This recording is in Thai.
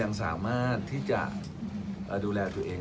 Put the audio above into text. แต่ถ้าเรามีการดูแลเรื่อย